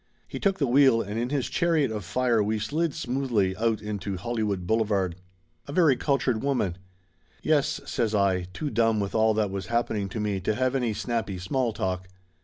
He took the wheel and in this chariot of fire we slid smoothly out into Hollywood Boulevard. "A very cultured woman." "Yes," says I, too dumb with all that was happening to me to have any snappy small talk.